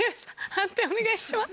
判定お願いします。